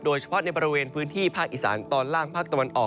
โดยเฉพาะในบริเวณพื้นที่ภาคอีสานตอนล่างภาคตะวันออก